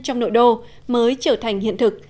trong nội đô mới trở thành hiện thực